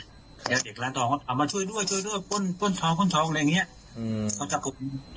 แล้วเด็กร้านทองก็เอามาช่วยด้วยช่วยด้วยป้นป้นทองป้นทองอะไรอย่างเงี้ยอืม